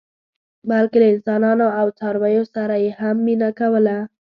بلکې له انسانانو او څارویو سره یې هم مینه کوله.